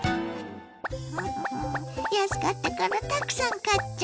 安かったからたくさん買っちゃった！